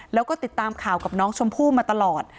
แล้วก็ติดตามข่าวกับน้องชมพู่มาตลอด